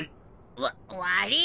わ悪ぃ。